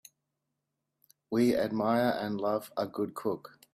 We admire and love a good cook.